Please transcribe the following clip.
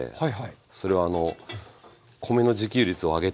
それはあの米の自給率を上げたいと。